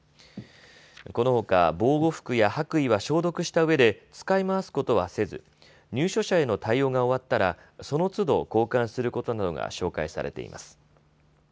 このほか防護服や白衣は消毒したうえで使い回すことはせず、入所者への対応が終わったらそのつど交換することなどが紹介されています。